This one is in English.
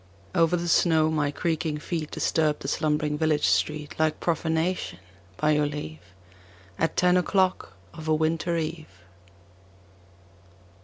Over the snow my creaking feet Disturbed the slumbering village street Like profanation, by your leave, At ten o'clock of a winter eve.